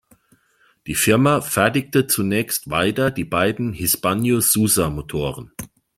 Die Firma fertigte zunächst weiter die beiden Hispano-Suiza-Motoren.